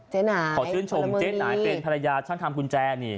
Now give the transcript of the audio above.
ขอชื่นชมเจ๊หน่ายเป็นภรรยาช่างทำกุญแจนี่